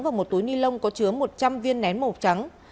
và một túi ni lông có chứa một trăm linh viên nén màu trắng